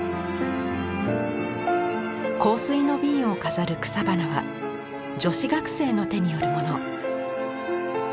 香水の瓶を飾る草花は女子学生の手によるもの。